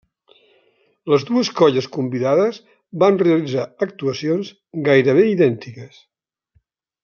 Les dues colles convidades van realitzar actuacions gairebé idèntiques.